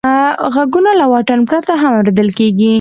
غږونه له واټن پرته هم اورېدل کېږي.